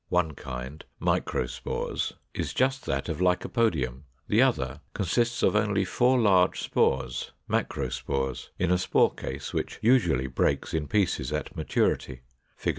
One kind (MICROSPORES) is just that of Lycopodium; the other consists of only four large spores (MACROSPORES), in a spore case which usually breaks in pieces at maturity (Fig.